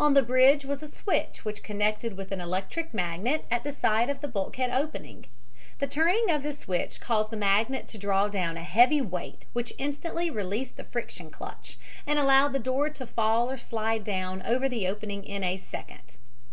On the bridge was a switch which connected with an electric magnet at the side of the bulkhead opening. The turning of this switch caused the magnet to draw down a heavy weight, which instantly released the friction clutch, and allowed the door to fall or slide down over the opening in a second.